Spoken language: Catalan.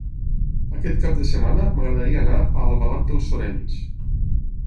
Aquest cap de setmana m'agradaria anar a Albalat dels Sorells.